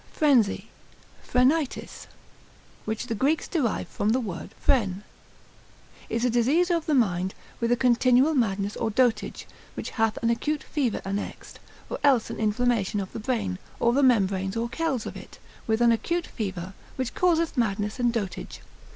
Frenzy.] Phrenitis, which the Greeks derive from the word φρην, is a disease of the mind, with a continual madness or dotage, which hath an acute fever annexed, or else an inflammation of the brain, or the membranes or kells of it, with an acute fever, which causeth madness and dotage.